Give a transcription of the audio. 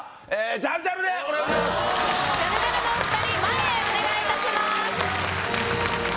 ジャルジャルのお二人前へお願いいたします